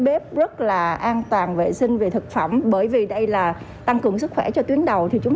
bếp rất là an toàn vệ sinh về thực phẩm bởi vì đây là tăng cường sức khỏe cho tuyến đầu thì chúng